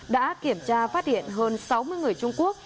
đã kiểm tra phát hiện hơn sáu mươi người trung quốc